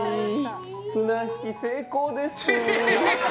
綱引き成功です！